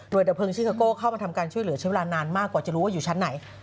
โดยดับเลิงซิโก้เข้ามาทำการช่วยเหลือใช้เวลานานมากกว่าจะรู้ว่าอยู่ชั้นไหน